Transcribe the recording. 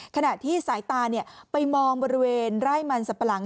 ขณะที่สายตาไปมองบริเวณไร่มันสับปะหลัง